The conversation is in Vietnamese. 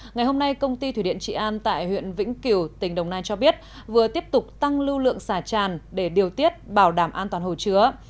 ngày hôm nay công ty thủy điện trị an tại huyện vĩnh kiểu tỉnh đồng nai cho biết vừa tiếp tục tăng lưu lượng xả tràn để điều tiết bảo đảm an toàn hồ chứa